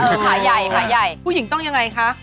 ผู้หญิงต้องยังไงคะ